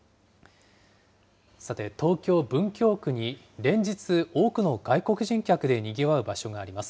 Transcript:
さて、東京・文京区に連日、多くの外国人客でにぎわう場所があります。